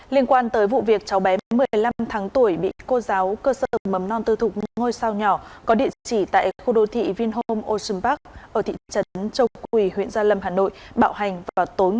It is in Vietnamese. liên quan tới vụ việc cháu bé một mươi năm tháng tuổi bị cô giáo cơ sở mấm non tư thuộc ngôi sao nhỏ có địa chỉ tại khu đô thị vinhome ocean park ở thị trấn châu quỳ huyện gia lâm hà nội bạo hành vào tối ba tháng một mươi